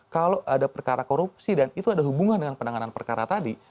kalau ada perkara korupsi dan itu ada hubungan dengan penanganan perkara tadi